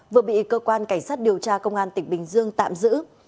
vừa bị cơ quan cảnh sát điều tra công an tỉnh bình dương tạm giữ